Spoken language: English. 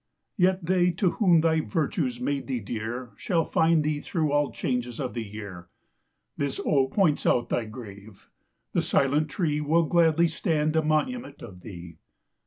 Yet they to whom thy virtues made thee dear Shall find thee through all changes of the year: This Oak points out thy grave; the silent tree Will gladly stand a monument of thee.